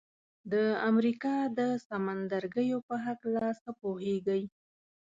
د امریکا د سمندرګیو په هکله څه پوهیږئ؟